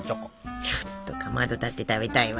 ちょっとかまどだって食べたいわ。